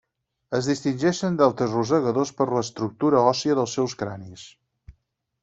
Es distingeixen d'altres rosegadors per l'estructura òssia dels seus cranis.